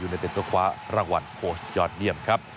ในเต็ดก็คว้ารางวัลโค้ชยอดเยี่ยมครับ